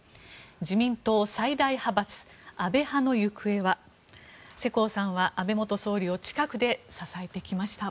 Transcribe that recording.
自民党最大派閥安倍派の行方は？世耕さんは安倍元総理を近くで支えてきました。